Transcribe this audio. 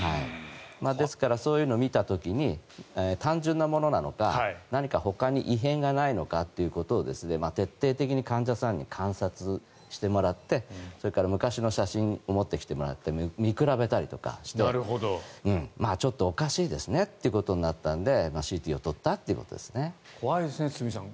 ですからそういうのを見た時に単純なものなのか何かほかに異変がないのかということを徹底的に患者さんに観察をしてもらってそれから昔の写真を持ってきてもらって見比べたりしてちょっとおかしいですねということになったので怖いですね、堤さん。